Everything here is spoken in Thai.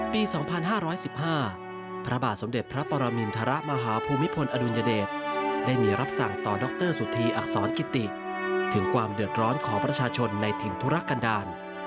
ปี๒๕๑๕พระบาทสมเด็จพระปรมินทรมาฮภูมิพลอดุลยเดชได้มีรับสั่งต่อดรสุธีอักษรกิติถึงความเดือดร้อนของประชาชนในถิ่นธุรกันดาล